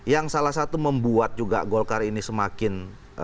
yang salah satu membuat juga golkar ini semakin